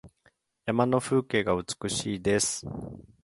山の風景が美しいです。